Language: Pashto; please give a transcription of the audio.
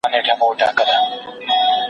زه اوس د سبا لپاره د نوي لغتونو يادوم؟!